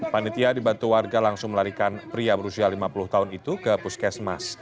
panitia dibantu warga langsung melarikan pria berusia lima puluh tahun itu ke puskesmas